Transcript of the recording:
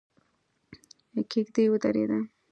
کېږدۍ ودرېده.